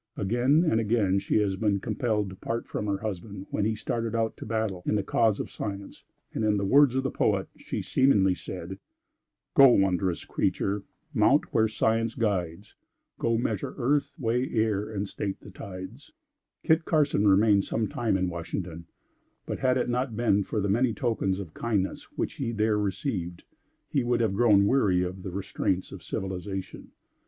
Again and again has she been compelled to part from her husband when he started out to battle in the cause of science, and, in the words of the poet, she seemingly said: "Go, wondrous creature! mount where science guides; Go, measure earth, weigh air, and state the tides." Kit Carson remained some time in Washington; but had it not been for the many tokens of kindness which he there received, he would have grown weary of the restraints of civilization.